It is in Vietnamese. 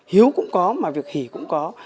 hiếu cũng có mà việc hỉ cũng có